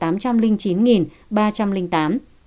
người có bệnh nền là tám trăm linh chín ba trăm linh tám